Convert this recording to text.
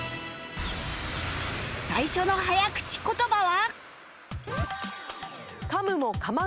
最初の早口言葉は